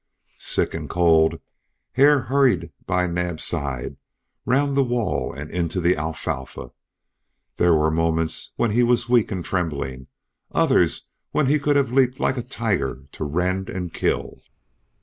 Sick and cold Hare hurried by Naab's side round the wall and into the alfalfa. There were moments when he was weak and trembling; others when he could have leaped like a tiger to rend and kill.